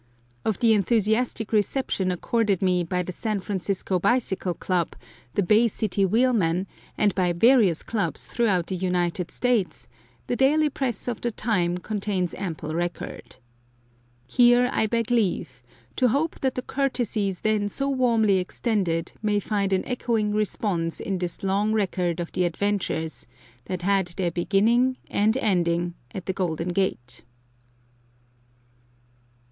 Of the enthusiastic reception accorded me by the San Francisco Bicycle Club, the Bay City Wheelmen, and by various clubs throughout the United States, the daily press of the time contains ample record. Here, I beg leave to hope that the courtesies then so warmly extended may find an echoing response in this long record of the adventures that had their beginning and ending at the Golden Gate.